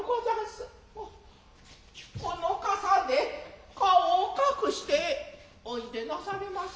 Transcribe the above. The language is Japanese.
あっこの傘で顔を隠しておいでなされませ。